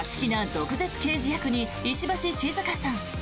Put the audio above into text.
毒舌刑事役に石橋静河さん。